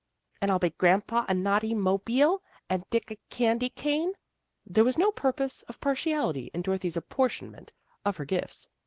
" And I'll buy grandpa a naughty mobeel, and Dick a candy cane." There was no purpose of partiality in Dorothy's apportionment of her gifts.